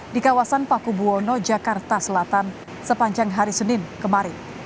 di kawasan paku buwono jakarta selatan sepanjang hari senin kemarin